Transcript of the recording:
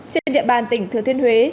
trên địa bàn tỉnh thừa thiên huế